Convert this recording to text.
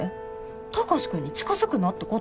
貴司君に近づくなってこと？